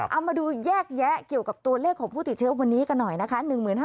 เอามาดูแยกแยะเกี่ยวกับตัวเลขของผู้ติดเชื้อวันนี้กันหน่อยนะคะ